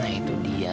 nah itu dia